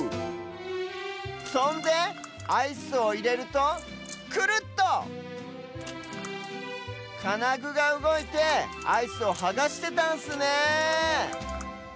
そんでアイスをいれるとクルッとかなぐがうごいてアイスをはがしてたんすね